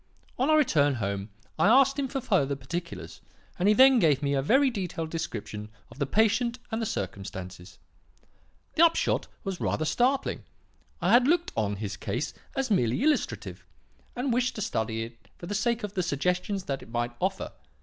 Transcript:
On our return home I asked him for further particulars, and he then gave me a very detailed description of the patient and the circumstances. The upshot was rather startling. I had looked on his case as merely illustrative, and wished to study it for the sake of the suggestions that it might offer.